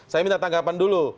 saya minta tanggapan dulu